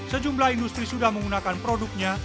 sejumlah industri sudah menggunakan produknya